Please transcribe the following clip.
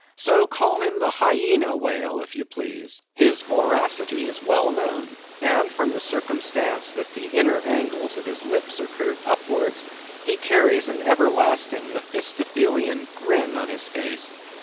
So, call him the Hyena Whale, if you please. His voracity is well known, and from the circumstance that the inner angles of his lips are curved upwards, he carries an everlasting Mephistophelean grin on his face.